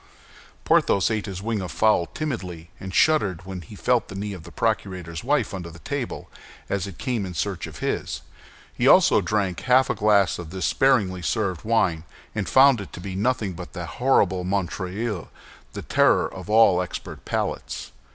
Porthos ate his wing of the fowl timidly, and shuddered when he felt the knee of the procurator's wife under the table, as it came in search of his. He also drank half a glass of this sparingly served wine, and found it to be nothing but that horrible Montreuil—the terror of all expert palates.